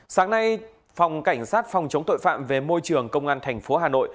sáng nay phòng cảnh sát phòng chống tội phạm về môi trường công an thành phố hà nội